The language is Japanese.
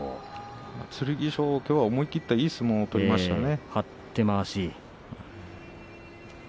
剣翔、きょうはいい相撲を取りましたね。